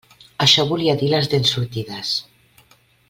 Això volia dir les dents sortides.